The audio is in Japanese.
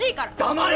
黙れ！